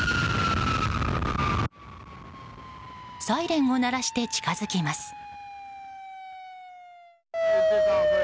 サイレンを鳴らして、近づきます。